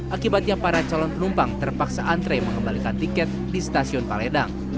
akibatnya para calon penumpang terpaksa antre mengembalikan tiket di stasiun paledang